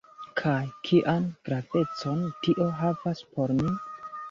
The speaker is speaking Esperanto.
Kaj kian gravecon tio havas por ni?